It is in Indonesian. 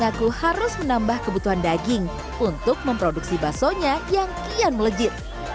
mengaku harus menambah kebutuhan daging untuk memproduksi baksonya yang kian melejit